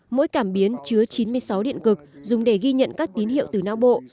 mỗi cảm biến chứa chín mươi sáu điện cực dùng để ghi nhận các tín hiệu từ não bộ